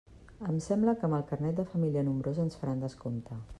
Em sembla que amb el carnet de família nombrosa ens faran descompte.